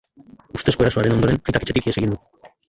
Ustezko erasoaren ondoren, aitak etxetik ihes egin du.